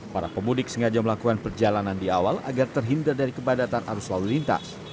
para pemudik sengaja melakukan perjalanan di awal agar terhindar dari kepadatan arus lalu lintas